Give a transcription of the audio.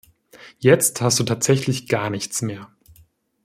Jetzt hast du tatsächlich gar nichts mehr.